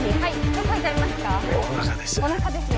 どこ痛みますか？